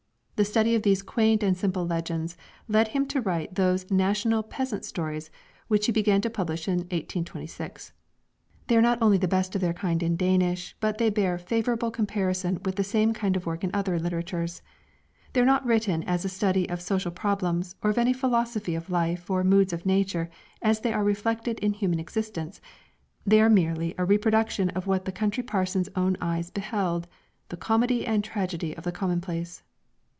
The study of these quaint and simple legends led him to write those national peasant stories which he began to publish in 1826. They are not only the best of their kind in Danish, but they bear favorable comparison with the same kind of work in other literatures. They are not written as a study of social problems, or of any philosophy of life or moods of nature as they are reflected in human existence; they are merely a reproduction of what the country parson's own eyes beheld the comedy and tragedy of the commonplace.